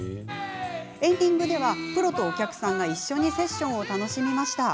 エンディングではプロとお客さんが一緒にセッションを楽しみました。